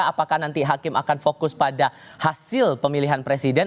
apakah nanti hakim akan fokus pada hasil pemilihan presiden